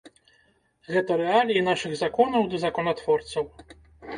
Гэта рэаліі нашых законаў ды законатворцаў.